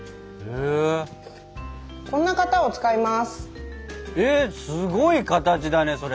えっすごい形だねそれ。